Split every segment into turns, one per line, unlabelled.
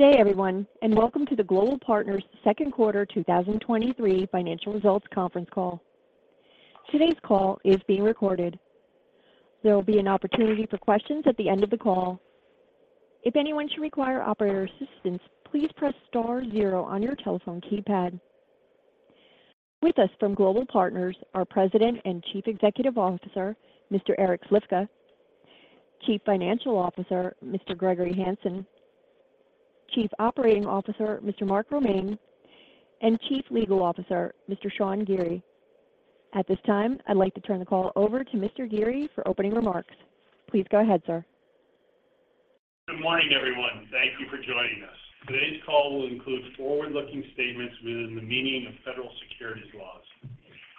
Good day, everyone, and welcome to the Global Partners Q2 2023 financial results conference call. Today's call is being recorded. There will be an opportunity for questions at the end of the call. If anyone should require operator assistance, please press star zero on your telephone keypad. With us from Global Partners, our President and Chief Executive Officer, Mr. Eric Slifka; Chief Financial Officer, Mr. Gregory Hanson; Chief Operating Officer, Mr. Mark Romaine; and Chief Legal Officer, Mr. Sean Geary. At this time, I'd like to turn the call over to Mr. Geary for opening remarks. Please go ahead, sir.
Good morning, everyone. Thank you for joining us. Today's call will include forward-looking statements within the meaning of federal securities laws.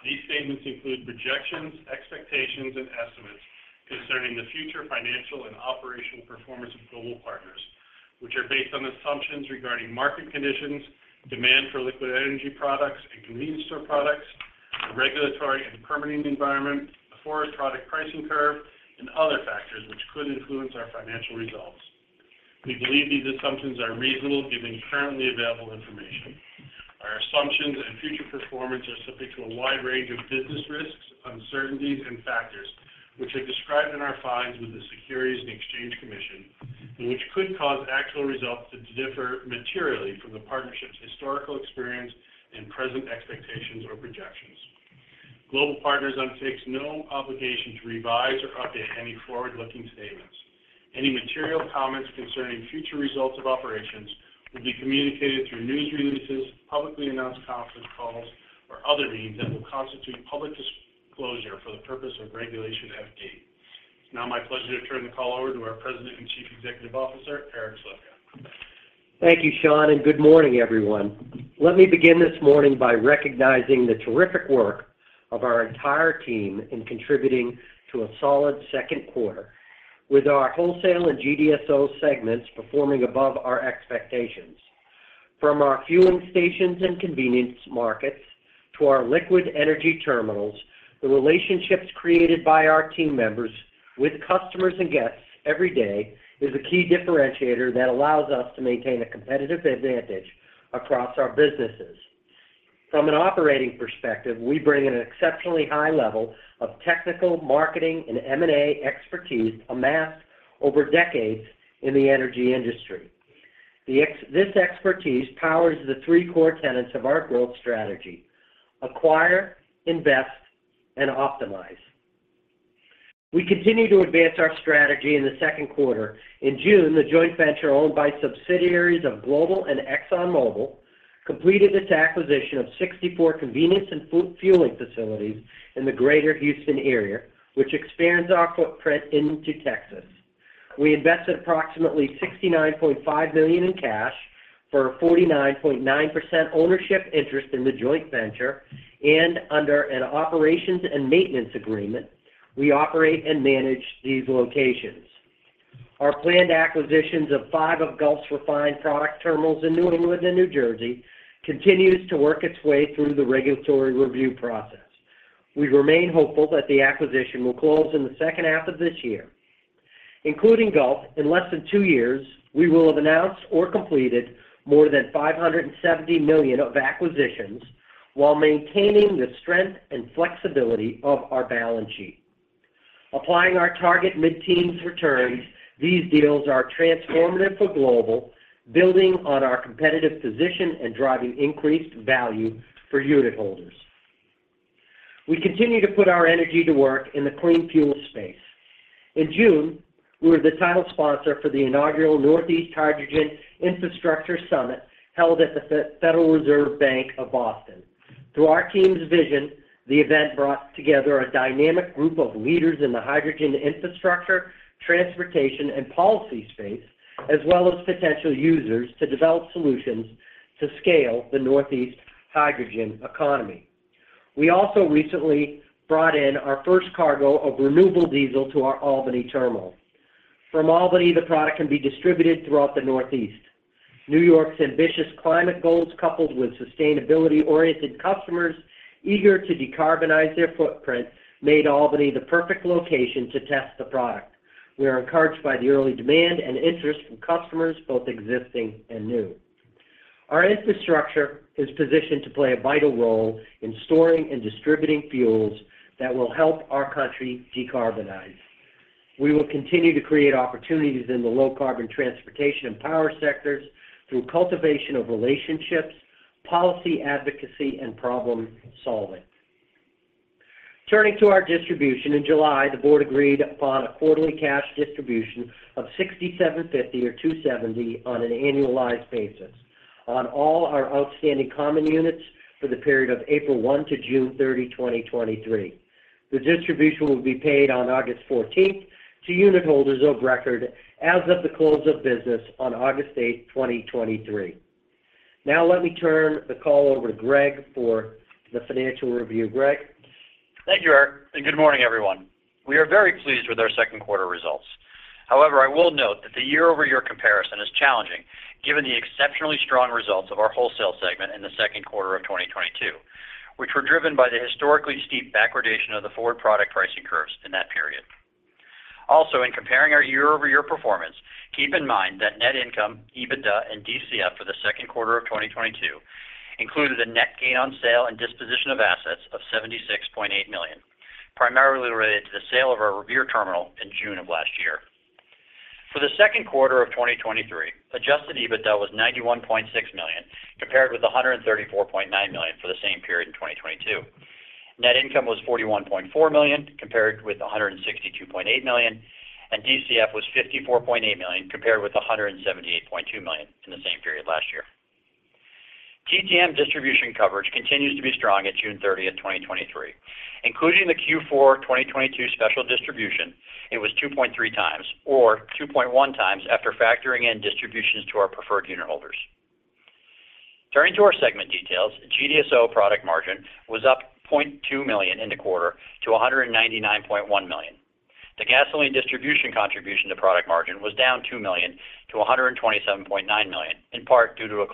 These statements include projections, expectations, and estimates concerning the future financial and operational performance of Global Partners, which are based on assumptions regarding market conditions, demand for liquid energy products and convenience store products, the regulatory and permitting environment, the forward product pricing curve, and other factors which could influence our financial results. We believe these assumptions are reasonable, given currently available information. Our assumptions and future performance are subject to a wide range of business risks, uncertainties, and factors, which are described in our files with the Securities and Exchange Commission, and which could cause actual results to differ materially from the partnership's historical experience and present expectations or projections. Global Partners undertakes no obligation to revise or update any forward-looking statements. Any material comments concerning future results of operations will be communicated through news releases, publicly announced conference calls, or other means that will constitute public disclosure for the purpose of Regulation FD. It's now my pleasure to turn the call over to our President and Chief Executive Officer, Eric Slifka.
Thank you, Sean. Good morning, everyone. Let me begin this morning by recognizing the terrific work of our entire team in contributing to a solid Q2, with our wholesale and GDSO segments performing above our expectations. From our fueling stations and convenience markets to our liquid energy terminals, the relationships created by our team members with customers and guests every day is a key differentiator that allows us to maintain a competitive advantage across our businesses. From an operating perspective, we bring an exceptionally high level of technical, marketing, and M&A expertise amassed over decades in the energy industry. This expertise powers the 3 core tenets of our growth strategy: acquire, invest, and optimize. We continue to advance our strategy in the Q2. In June, the joint venture owned by subsidiaries of Global and ExxonMobil completed its acquisition of 64 convenience and food fueling facilities in the Greater Houston area, which expands our footprint into Texas. We invested approximately $69.5 million in cash for a 49.9% ownership interest in the joint venture, and under an operations and maintenance agreement, we operate and manage these locations. Our planned acquisitions of five of Gulf's refined product terminals in New England and New Jersey continues to work its way through the regulatory review process. We remain hopeful that the acquisition will close in the second half of this year. Including Gulf, in less than two years, we will have announced or completed more than $570 million of acquisitions while maintaining the strength and flexibility of our balance sheet. Applying our target mid-teens returns, these deals are transformative for Global, building on our competitive position and driving increased value for unitholders. We continue to put our energy to work in the clean fuel space. In June, we were the title sponsor for the inaugural Northeast Hydrogen Infrastructure Summit, held at the Federal Reserve Bank of Boston. Through our team's vision, the event brought together a dynamic group of leaders in the hydrogen infrastructure, transportation, and policy space, as well as potential users to develop solutions to scale the Northeast hydrogen economy. We also recently brought in our first cargo of renewable diesel to our Albany terminal. From Albany, the product can be distributed throughout the Northeast. New York's ambitious climate goals, coupled with sustainability-oriented customers eager to decarbonize their footprint, made Albany the perfect location to test the product. We are encouraged by the early demand and interest from customers, both existing and new. Our infrastructure is positioned to play a vital role in storing and distributing fuels that will help our country decarbonize. We will continue to create opportunities in the low-carbon transportation and power sectors through cultivation of relationships, policy advocacy, and problem-solving. Turning to our distribution, in July, the board agreed upon a quarterly cash distribution of $67.50 or $2.70 on an annualized basis on all our outstanding common units for the period of April 1 to June 30, 2023. The distribution will be paid on August 14th to unitholders of record as of the close of business on August 8th, 2023. Now let me turn the call over to Greg for the financial review. Greg?
Thank you, Eric. Good morning, everyone. We are very pleased with our Q2 results. However, I will note that the year-over-year comparison is challenging, given the exceptionally strong results of our wholesale segment in the Q2 of 2022, which were driven by the historically steep backwardation of the forward product pricing curves in that period. In comparing our year-over-year performance, keep in mind that net income, EBITDA, and DCF for the Q2 of 2022 included a net gain on sale and disposition of assets of $76.8 million, primarily related to the sale of our Revere terminal in June of last year. For the Q2 of 2023, Adjusted EBITDA was $91.6 million, compared with $134.9 million for the same period in 2022. Net income was $41.4 million, compared with $162.8 million, and DCF was $54.8 million, compared with $178.2 million in the same period last year. TTM distribution coverage continues to be strong at June 30th, 2023. Including the Q4 2022 special distribution, it was 2.3x, or 2.1x after factoring in distributions to our preferred unitholders. Turning to our segment details, GDSO product margin was up $0.2 million in the quarter to $199.1 million. The gasoline distribution contribution to product margin was down $2 million to $127.9 million, in part due to a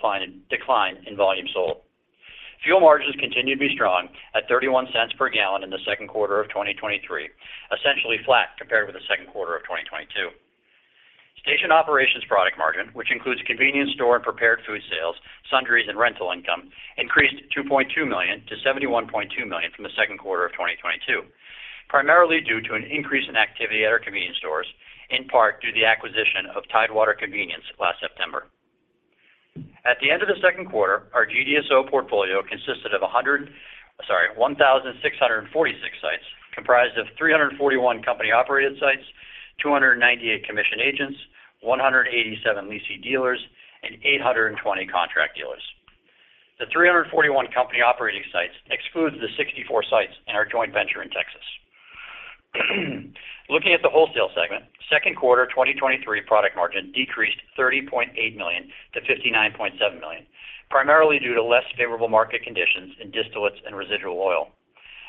decline in volume sold. Fuel margins continued to be strong at $0.31 per gallon in the Q2 of 2023, essentially flat compared with the Q2 of 2022. Station operations product margin, which includes convenience store and prepared food sales, sundries, and rental income, increased $2.2 million to $71.2 million from the Q2 of 2022, primarily due to an increase in activity at our convenience stores, in part due to the acquisition of Tidewater Convenience last September. At the end of the Q2, our GDSO portfolio consisted of 1,646 sites, comprised of 341 company-operated sites, 298 commission agents, 187 lessee dealers, and 820 contract dealers. The 341 company-operating sites excludes the 64 sites in our joint venture in Texas. Looking at the wholesale segment, Q2 2023 product margin decreased $30.8 million to $59.7 million, primarily due to less favorable market conditions in distillates and residual oil.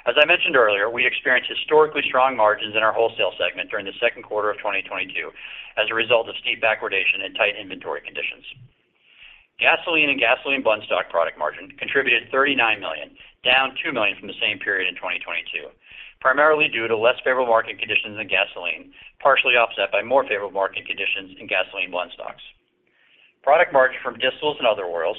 As I mentioned earlier, we experienced historically strong margins in our wholesale segment during the Q2 of 2022 as a result of steep backwardation and tight inventory conditions. Gasoline and gasoline blendstock product margin contributed $39 million, down $2 million from the same period in 2022, primarily due to less favorable market conditions than gasoline, partially offset by more favorable market conditions in gasoline blendstocks. Product margin from distillates and other oils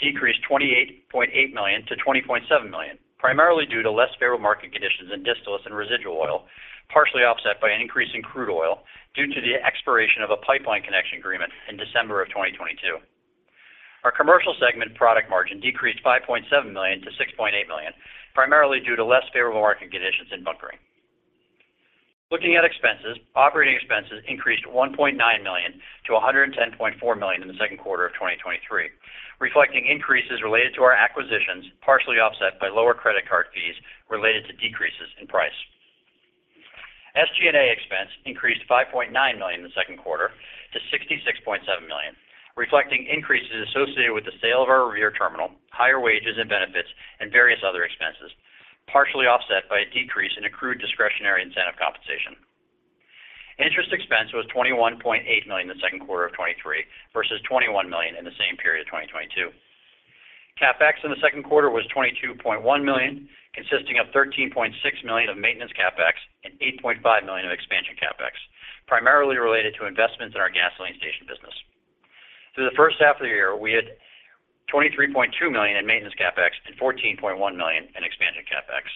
decreased $28.8 million to $20.7 million, primarily due to less favorable market conditions in distillates and residual oil, partially offset by an increase in crude oil due to the expiration of a pipeline connection agreement in December of 2022. Our commercial segment product margin decreased $5.7 million to $6.8 million, primarily due to less favorable market conditions in bunkering. Looking at expenses, operating expenses increased $1.9 million to $110.4 million in the Q2 of 2023, reflecting increases related to our acquisitions, partially offset by lower credit card fees related to decreases in price. SG&A expense increased $5.9 million in the Q2 to $66.7 million, reflecting increases associated with the sale of our Revere terminal, higher wages and benefits, and various other expenses, partially offset by a decrease in accrued discretionary incentive compensation. Interest expense was $21.8 million in the Q2 of 2023 versus $21 million in the same period of 2022. CapEx in the Q2 was $22.1 million, consisting of $13.6 million of maintenance CapEx and $8.5 million of expansion CapEx, primarily related to investments in our gasoline station business. Through the first half of the year, we had $23.2 million in maintenance CapEx and $14.1 million in expansion CapEx.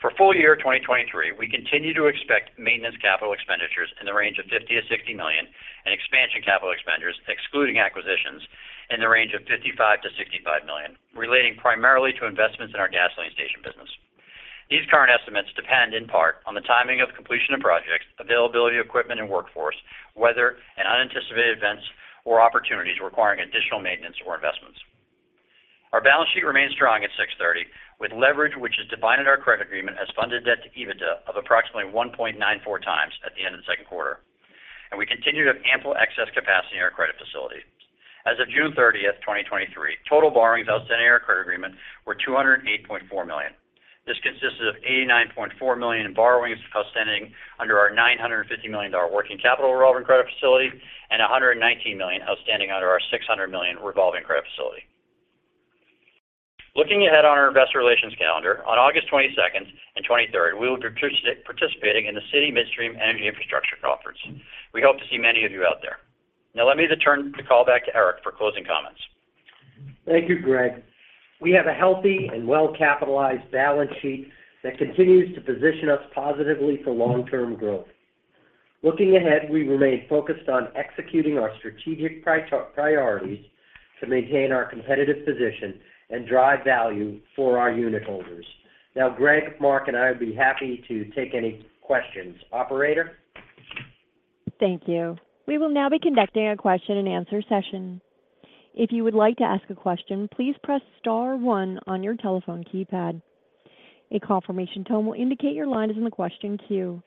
For full year 2023, we continue to expect maintenance capital expenditures in the range of $50 million to 60 million and expansion capital expenditures, excluding acquisitions, in the range of $55 million to 65 million, relating primarily to investments in our gasoline station business. These current estimates depend, in part, on the timing of completion of projects, availability of equipment and workforce, weather and unanticipated events or opportunities requiring additional maintenance or investments. Our balance sheet remains strong at 6/30, with leverage, which is defined in our credit agreement, as funded debt to EBITDA of approximately 1.94x at the end of the Q2. We continue to have ample excess capacity in our credit facility. As of June 30, 2023, total borrowings outstanding in our credit agreements were $208.4 million. This consisted of $89.4 million in borrowings outstanding under our $950 million working capital revolving credit facility and $119 million outstanding under our $600 million revolving credit facility. Looking ahead on our investor relations calendar, on August 22nd and 23rd, we will be participating in the Citi Midstream Energy Infrastructure Conference. We hope to see many of you out there. Now, let me turn the call back to Eric for closing comments.
Thank you, Greg. We have a healthy and well-capitalized balance sheet that continues to position us positively for long-term growth. Looking ahead, we remain focused on executing our strategic priorities to maintain our competitive position and drive value for our unitholders. Now, Greg, Mark, and I would be happy to take any questions. Operator?
Thank you. We will now be conducting a question-and-answer session. If you would like to ask a question, please press star one on your telephone keypad. A confirmation tone will indicate your line is in the question queue.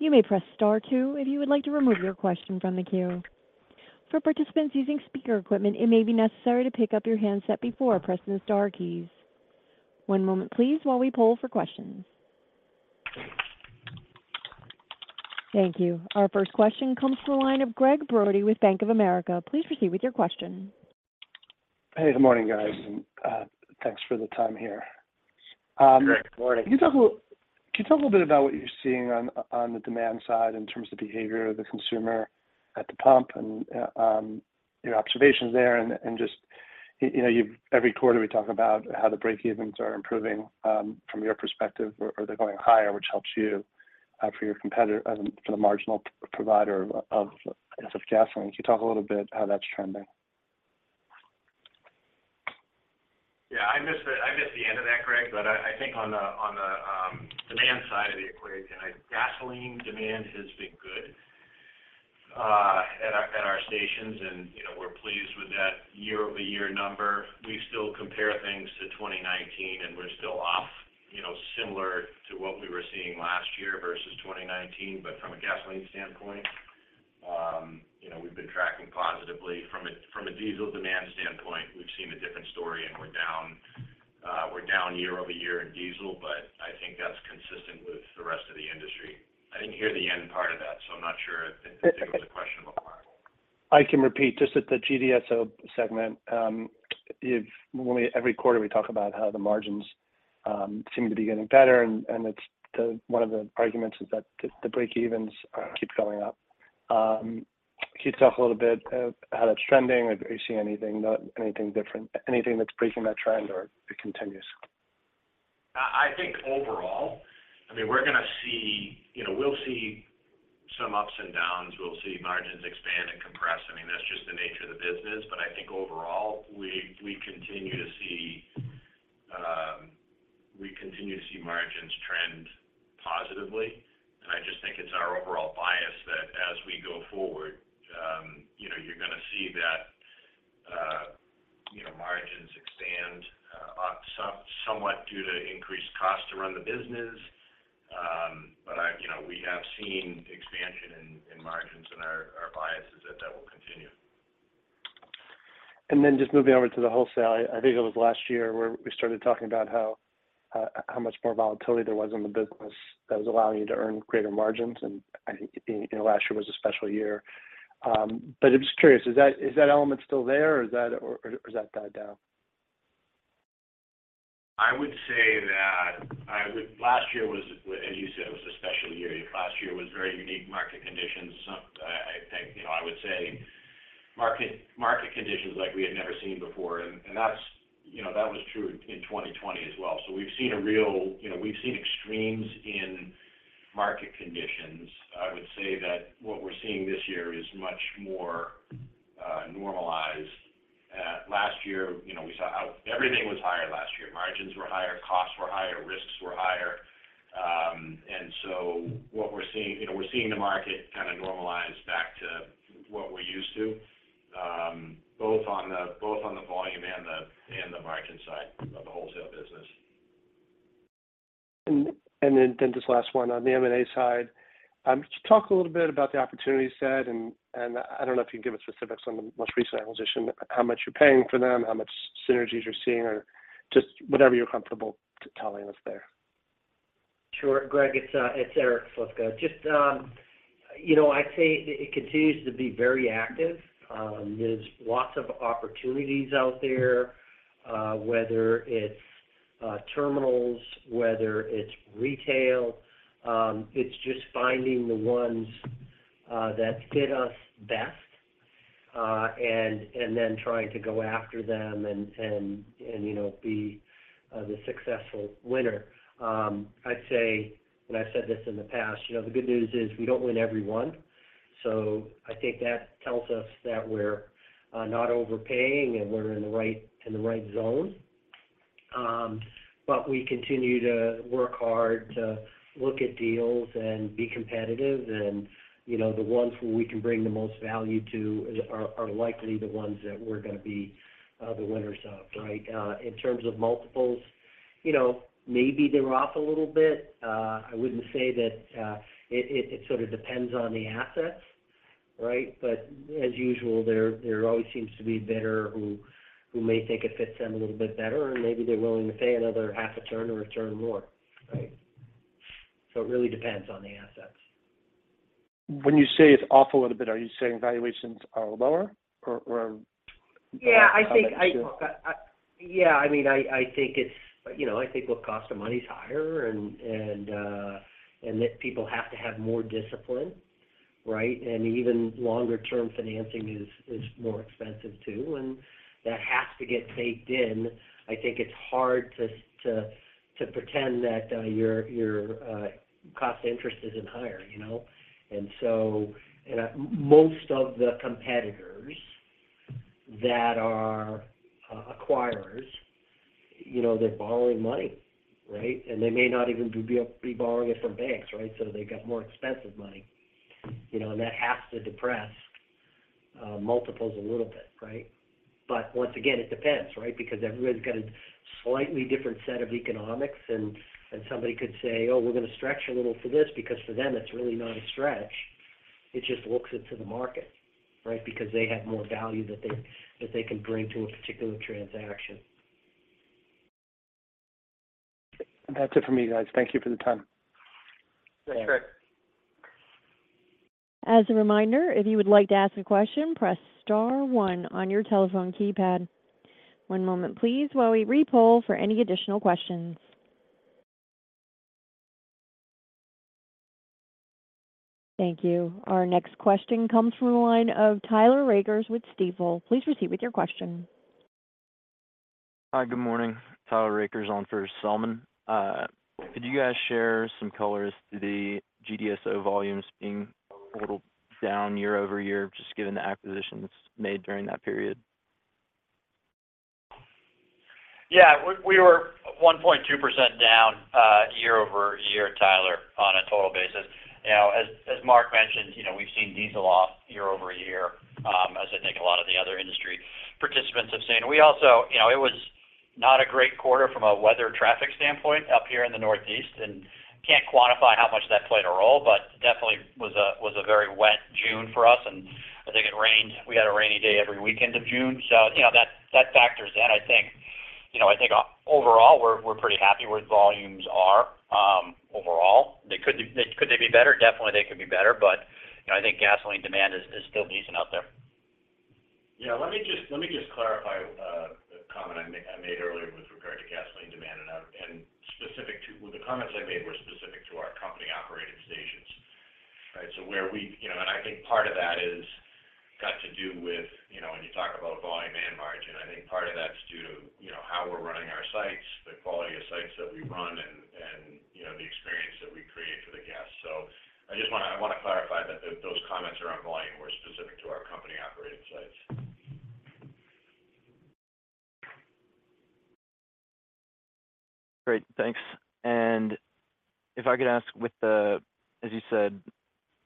You may press Star two if you would like to remove your question from the queue. For participants using speaker equipment, it may be necessary to pick up your handset before pressing the star keys. One moment please while we poll for questions. Thank you. Our first question comes from the line of Gregg Brody with Bank of America. Please proceed with your question.
Hey, good morning, guys, and thanks for the time here.
Greg, good morning.
Can you talk a little, can you talk a little bit about what you're seeing on, on the demand side in terms of behavior of the consumer at the pump, and your observations there, and just, you know, every quarter we talk about how the breakevens are improving. From your perspective, are, are they going higher, which helps you for your marginal provider of gasoline? Can you talk a little bit how that's trending?
Yeah, I missed the, I missed the end of that, Greg, but I, I think on the, on the demand side of the equation, gasoline demand has been good at our, at our stations, and, you know, we're pleased with that year-over-year number. We still compare things to 2019, and we're still off, you know, similar to what we were seeing last year versus 2019. From a gasoline standpoint, you know, we've been tracking positively. From a, from a diesel demand standpoint, we've seen a different story, and we're down, we're down year-over-year in diesel, but I think that's consistent with the rest of the industry. I didn't hear the end part of that, so I'm not sure if, if there was a question before.
I can repeat. Just at the GDSO segment, if when we every quarter, we talk about how the margins seem to be getting better, and it's the one of the arguments is that the break evens keep going up. Can you talk a little bit how that's trending? Or do you see anything, not anything different anything that's breaking that trend or it continues?
I think overall, I mean, we're gonna see. You know, we'll see some ups and downs. We'll see margins expand and compress. I mean, that's just the nature of the business. I think overall, we, we continue to see, we continue to see margins trend positively. I just think it's our overall bias that as we go forward, you know, you're gonna see that, you know, margins expand, on somewhat due to increased cost to run the business. You know, we have seen expansion in, in margins, and our, our bias is that, that will continue.
Then just moving over to the wholesale, I, I think it was last year where we started talking about how much more volatility there was in the business that was allowing you to earn greater margins. I think, you know, last year was a special year. I'm just curious, is that, is that element still there, or is that, or, or has that died down?
I would say that, last year was, as you said, it was a special year. Last year was very unique market conditions. You know, I would say market, market conditions like we had never seen before, and that's, you know, that was true in 2020 as well. We've seen extremes in market conditions. I would say that what we're seeing this year is much more normalized. Last year, you know, we saw how everything was higher last year. Margins were higher, costs were higher, risks were higher. What we're seeing, you know, we're seeing the market kinda normalize back to what we're used to, both on the volume and the margin side of the wholesale business.
And then, then just last one on the M&A side. just talk a little bit about the opportunity set, and, and I don't know if you can give us specifics on the most recent acquisition, how much you're paying for them, how much synergies you're seeing, or just whatever you're comfortable telling us there.
Sure, Greg, it's Eric Slifka. Just, you know, I'd say it, it continues to be very active. There's lots of opportunities out there, whether it's terminals, whether it's retail, it's just finding the ones that fit us best, and then trying to go after them and, you know, be the successful winner. I'd say, and I've said this in the past, you know, the good news is we don't win every one. I think that tells us that we're not overpaying, and we're in the right, in the right zone. We continue to work hard to look at deals and be competitive, and, you know, the ones where we can bring the most value to is, are, are likely the ones that we're gonna be the winners of, right? In terms of multiples, you know, maybe they're off a little bit. I wouldn't say that it sort of depends on the assets, right? As usual, there, there always seems to be a bidder who, who may think it fits them a little bit better, and maybe they're willing to pay another 0.5 turn or 1 turn more, right? It really depends on the assets.
When you say it's off a little bit, are you saying valuations are lower or, or-?
Yeah, I think.
how much do you-
Yeah, I mean, I, I think it's, you know, I think, well, cost of money is higher and, and that people have to have more discipline, right? Even longer-term financing is, is more expensive, too, and that has to get baked in. I think it's hard to, to, to pretend that your, your, cost interest isn't higher, you know? Most of the competitors that are acquirers, you know, they're borrowing money, right? They may not even be borrowing it from banks, right? They've got more expensive money, you know, and that has to depress multiples a little bit, right? Once again, it depends, right? Because everybody's got a slightly different set of economics, and, and somebody could say, "Oh, we're gonna stretch a little for this," because for them, it's really not a stretch. It just looks it to the market, right? Because they have more value that they, that they can bring to a particular transaction....That's it for me, guys. Thank you for the time.
Thanks, Rick.
As a reminder, if you would like to ask a question, press star one on your telephone keypad. One moment please, while we re-poll for any additional questions. Thank you. Our next question comes from the line of Tyler Rakers with Stifel. Please proceed with your question.
Hi, good morning, Tyler Rakers on for Selman. Could you guys share some colors to the GDSO volumes being a little down year-over-year, just given the acquisitions made during that period?
Yeah. We, we were 1.2% down year-over-year, Tyler, on a total basis. You know, as, as Mark mentioned, you know, we've seen diesel off year-over-year, as I think a lot of the other industry participants have seen. We also. You know, it was not a great quarter from a weather traffic standpoint up here in the Northeast, and can't quantify how much that played a role, but definitely was a, was a very wet June for us, and I think it rained... We had a rainy day every weekend of June. You know, that, that factors in. I think, you know, I think, overall, we're, we're pretty happy where the volumes are. Overall, could they be better? Definitely, they could be better, but, you know, I think gasoline demand is, is still decent out there.
Yeah. Let me just, let me just clarify a comment I made earlier with regard to gasoline demand. Well, the comments I made were specific to our company-operated stations. Right? You know, I think part of that is got to do with, you know, when you talk about volume and margin, I think part of that's due to, you know, how we're running our sites, the quality of sites that we run, and, and, you know, the experience that we create for the guests. I just wanna clarify that those comments around volume were specific to our company-operated sites.
Great, thanks. If I could ask with the, as you said,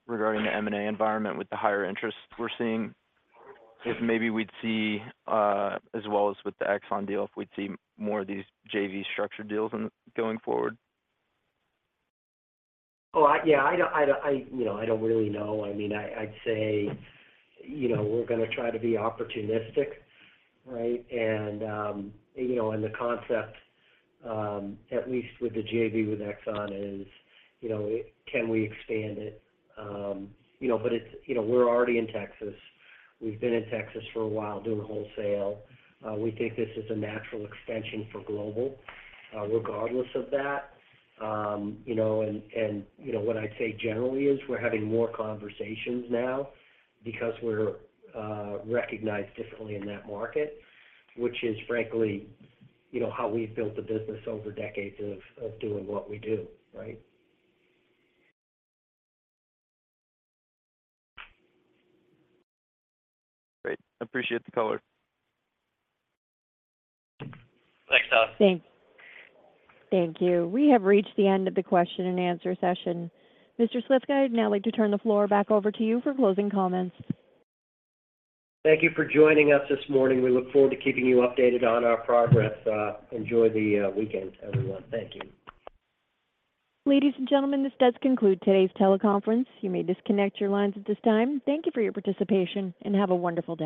regarding the M&A environment, with the higher interest we're seeing, if maybe we'd see, as well as with the Exxon deal, if we'd see more of these JV structure deals in going forward?
Oh, I, yeah, I don't, I don't, I, you know, I don't really know. I mean, I, I'd say, you know, we're gonna try to be opportunistic, right? You know, and the concept, at least with the JV with Exxon is, you know, can we expand it? You know, it's, you know, we're already in Texas. We've been in Texas for a while doing wholesale. We think this is a natural extension for Global, regardless of that. You know, and, you know, what I'd say generally is we're having more conversations now because we're recognized differently in that market, which is frankly, you know, how we've built the business over decades of, of doing what we do, right?
Great. Appreciate the color.
Thanks, Tyler.
Thank you. We have reached the end of the question and answer session. Mr. Slifka, I'd now like to turn the floor back over to you for closing comments.
Thank you for joining us this morning. We look forward to keeping you updated on our progress. Enjoy the weekend, everyone. Thank you.
Ladies and gentlemen, this does conclude today's teleconference. You may disconnect your lines at this time. Thank you for your participation, and have a wonderful day.